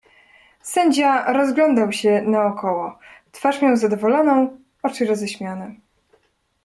"Sędzia rozglądał się naokoło, twarz miał zadowoloną, oczy roześmiane."